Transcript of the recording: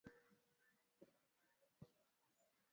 Roho yangu imekwazwa na yule kijana